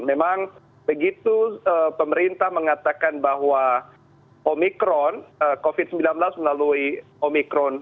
memang begitu pemerintah mengatakan bahwa omikron covid sembilan belas melalui omikron